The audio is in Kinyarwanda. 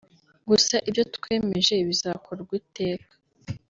gusa ibyo twemeje bizakorwa iteka